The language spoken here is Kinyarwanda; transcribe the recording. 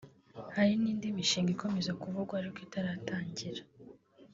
Hari n’indi mishinga ikomeza kuvugwa ariko itaratangira